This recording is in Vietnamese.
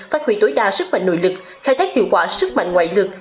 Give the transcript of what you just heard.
phát huy tối đa sức mạnh nội lực khai thác hiệu quả sức mạnh ngoại lực